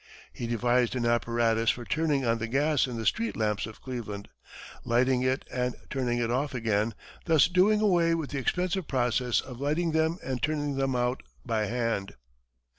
He devised an apparatus for turning on the gas in the street lamps of Cleveland, lighting it and turning it off again, thus doing away with the expensive process of lighting them and turning them out by hand.